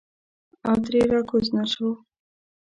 او ترې راکوز نه شو.